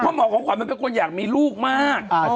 เพราะหมอของขวัญมันเป็นคนอยากมีลูกมาก